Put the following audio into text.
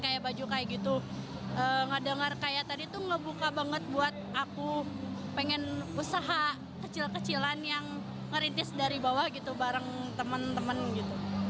kayak baju kayak gitu ngedengar kayak tadi tuh ngebuka banget buat aku pengen usaha kecil kecilan yang ngerintis dari bawah gitu bareng temen temen gitu